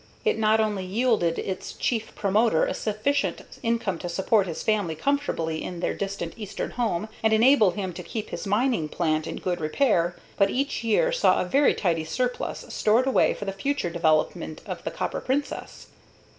It not only yielded its chief promoter a sufficient income to support his family comfortably in their distant Eastern home and enable him to keep his mining plant in good repair, but each year saw a very tidy surplus stored away for the future development of the Copper Princess.